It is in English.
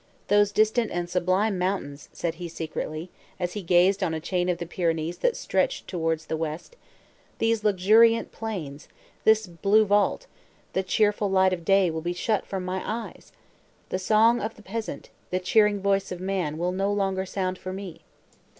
"Those distant and sublime mountains," said he secretly, as he gazed on a chain of the Pyrenees that stretched towards the west, "these luxuriant plains, this blue vault, the cheerful light of day, will be shut from my eyes! The song of the peasant, the cheering voice of man—will no longer sound for me!"